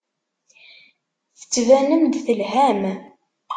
Tettbanem-d telham.